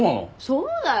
そうだよ。